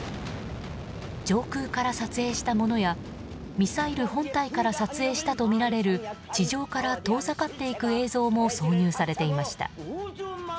上空から撮影したものやミサイル本体から撮影したとみられる地上から遠ざかっていく映像も挿入されていました。